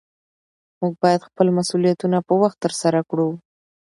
موږ باید خپل مسؤلیتونه په وخت ترسره کړو